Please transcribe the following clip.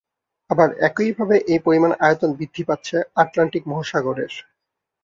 আবার একইভাবে এই পরিমাণ আয়তন বৃদ্ধি পাচ্ছে আটলান্টিক মহাসাগরের।